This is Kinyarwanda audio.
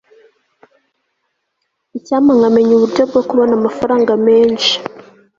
icyampa nkamenya uburyo bwo kubona amafaranga menshi